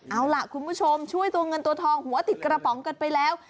เอาล่ะคุณผู้ชมช่วยตัวเงินตัวทองหัวติดกระป๋องกันไปแล้ว